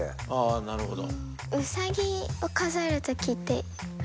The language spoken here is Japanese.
あなるほど。